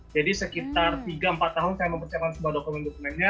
jadi sekitar tiga empat tahun saya mempersiapkan semua dokumen dokumennya